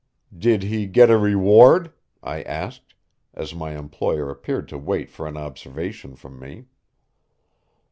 "Did he get a reward?" I asked, as my employer appeared to wait for an observation from me.